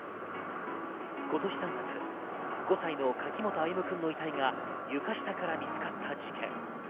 今年３月、５歳の柿本歩夢くんの遺体が床下から見つかった事件。